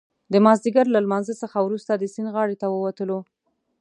د مازدیګر له لمانځه څخه وروسته د سیند غاړې ته ووتلو.